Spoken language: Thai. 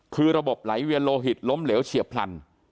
คือระบบไหลเวียนโลหิตล้มเหลวเฉียบพลัน